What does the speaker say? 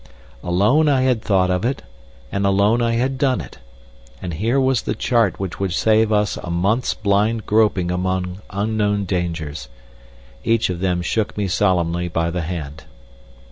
Alone I had thought of it, and alone I had done it; and here was the chart which would save us a month's blind groping among unknown dangers. Each of them shook me solemnly by the hand.